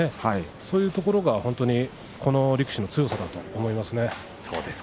そういうところがこの力士の強さだと思います。